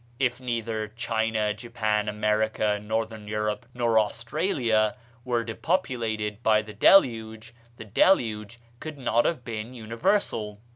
If neither China, Japan, America, Northern Europe, nor Australia were depopulated by the Deluge, the Deluge could not have been universal.